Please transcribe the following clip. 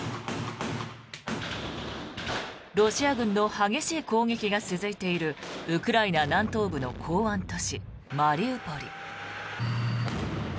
ロシア軍の激しい攻撃が続いているウクライナ南東部の港湾都市マリウポリ。